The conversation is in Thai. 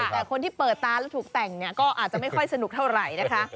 แต่คนที่เปิดตาแล้วถูกแต่งเนี่ยก็อาจจะไม่ค่อยสนุกเท่าไหร่นะคะ